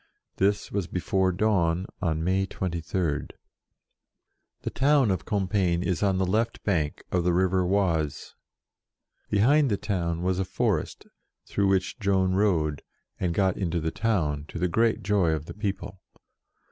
This was before dawn, on May 23. The town of Compiegne is on the left bank of the river Oise. Behind the town was a forest, through which Joan rode, and got into the town, to the great joy of the people.